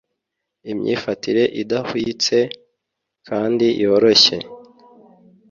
Imyifatire idahwitse kandi yoroshye